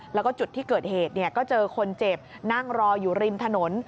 แล้วก็จุดที่เกิดเหตุก็เจอคนเจ็บนั่งรออยู่ริมถนน